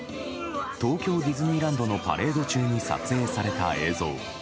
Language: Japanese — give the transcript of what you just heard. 東京ディズニーランドのパレード中に撮影された映像。